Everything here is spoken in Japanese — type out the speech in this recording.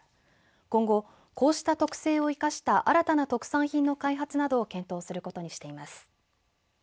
今後、こうした特性を生かした新たな特産品の開発などを検討することにしています。